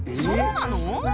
そうなの？